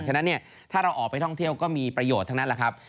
ฉะนั้นถ้าเราออกไปท่องเที่ยวก็มีประโยชน์ทั้งนั้นแหละครับ